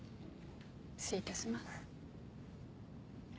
失礼いたします。